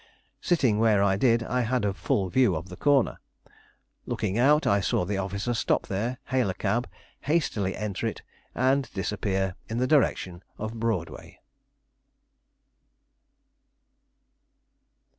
Sitting where I did, I had a full view of the corner. Looking out, I saw the officer stop there, hail a cab, hastily enter it, and disappear in the direction of Broadway.